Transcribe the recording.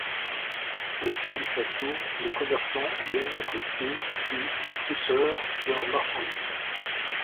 Au pied du château, les commerçants viennent abriter des détrousseurs leurs marchandises.